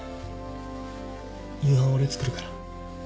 夕飯俺作るから。